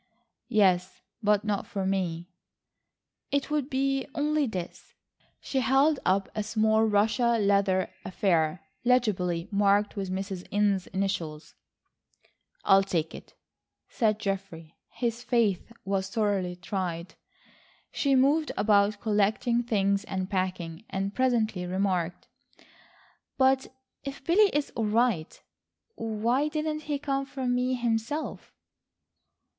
"Yes, but not for me." "It would be only this." She held up a small Russia leather affair legibly marked with Mrs. Inness' initials. "I will take it," said Geoffrey. His faith was sorely tried. She moved about collecting things and packing, and presently remarked: "But if Billy is all right, why didn't he come for me himself?"